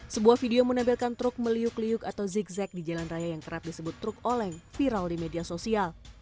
sebuah video menampilkan truk meliuk liuk atau zigzag di jalan raya yang kerap disebut truk oleng viral di media sosial